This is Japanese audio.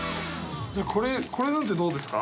これなんてどうですか？